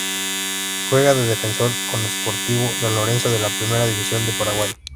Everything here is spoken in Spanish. Juega de defensor en Sportivo San Lorenzo de la Primera División de Paraguay.